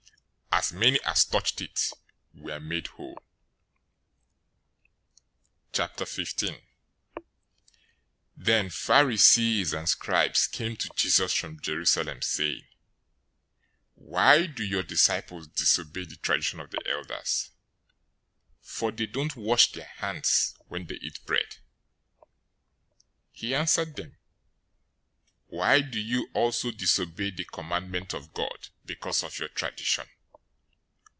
As many as touched it were made whole. 015:001 Then Pharisees and scribes came to Jesus from Jerusalem, saying, 015:002 "Why do your disciples disobey the tradition of the elders? For they don't wash their hands when they eat bread." 015:003 He answered them, "Why do you also disobey the commandment of God because of your tradition?